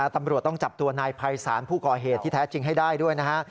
ตำรวจต้องจับตัวนายภัยศาลผู้ก่อเหตุที่แท้จริงให้ได้ด้วยนะฮะ